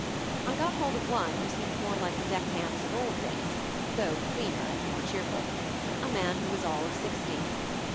I got hold of one who seemed more like the deckhands of old days, though cleaner and more cheerful ; a man who was all of sixty.